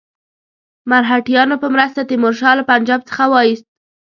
مرهټیانو په مرسته تیمور شاه له پنجاب څخه وایست.